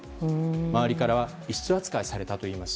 周りからは異質扱いされたといいます。